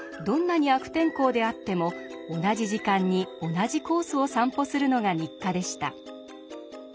どんなに悪天候であっても同じ時間に同じコースを散歩するのが日課でした。